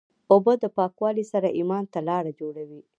اوبه د پاکوالي سره ایمان ته لاره جوړوي.